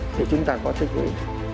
thì chúng ta có tích lũy